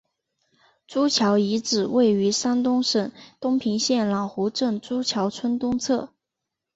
朱桥遗址位于山东省东平县老湖镇朱桥村东侧。